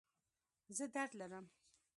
زه درد لرم